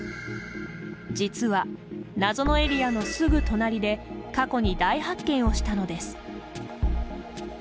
実は、謎のエリアのすぐ隣で過去に大発見をしたのです。